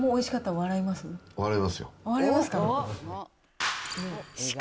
笑いますか？